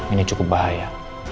ini cukup bahaya